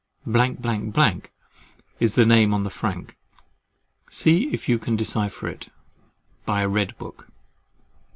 is the name on the frank: see if you can decypher it by a Red book.